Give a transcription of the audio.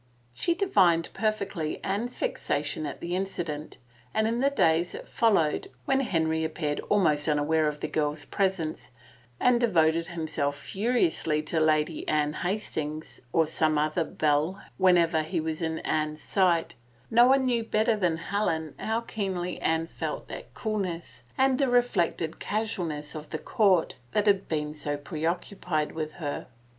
She divined perfectly Anne's vexation at the incident, and in the days that followed, when Henry appeared almost unaware of the girl's presence and devoted himself furiously to Lady Anne Hastings or some other belle whenever he was in Anne's sight, no one knew better than Helen how keenly Anne felt that coolness and the reflected casualness of the court that had been so pre occupied with her.